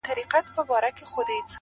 د دريو مياشتو پاچهي به مي په ښه وي٫